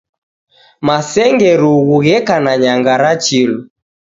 Masenge rughu gheka na nyanga ra chilu.